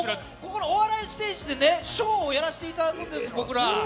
お笑いステージでショーをやらせていただくんです。